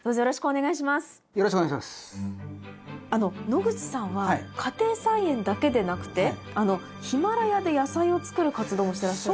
野口さんは家庭菜園だけでなくてヒマラヤで野菜を作る活動もしてらっしゃるんですか？